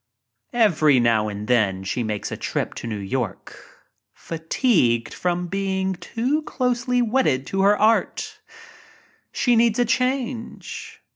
Every now and then she makes a trip to New fatigued from being too closely wedded to —^"^ her art — she needs a change.